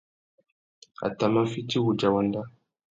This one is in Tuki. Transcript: A tà mà fiti wudja wanda.